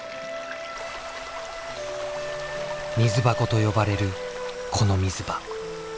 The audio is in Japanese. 水箱と呼ばれるこの水場。